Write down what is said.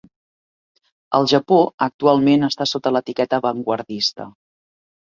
Al Japó, actualment està sota l'etiqueta "Vanguardista".